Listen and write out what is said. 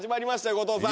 後藤さん。